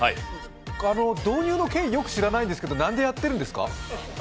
導入の件、経緯をよく知らないんですけどなんでやってるんですか？